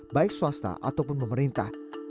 baik swasta ataupun pemerintah